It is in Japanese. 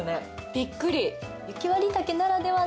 びっくり！